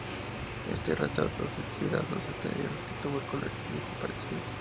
Este retrato sustituiría a dos anteriores que tuvo el colegio, desaparecidos.